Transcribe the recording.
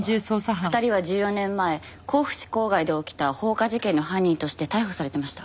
２人は１４年前甲府市郊外で起きた放火事件の犯人として逮捕されてました。